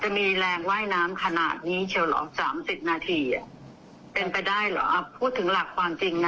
จะมีแรงว่ายน้ำขนาดนี้เชียวเหรอสามสิบนาทีเป็นไปได้เหรอพูดถึงหลักความจริงนะ